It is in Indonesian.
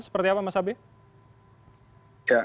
seperti apa mas abe